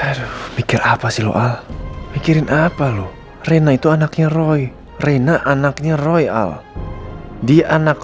aduh mikir apa sih lu al mikirin apa lu rena itu anaknya roy rena anaknya roy al dia anak